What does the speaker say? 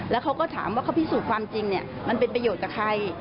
แล้วเขาก็ถามว่าเขาพิสูจน์ความจริงมันเป็นประโยชน์กับใคร